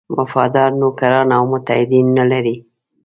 وفادار نوکران او متحدین نه لري.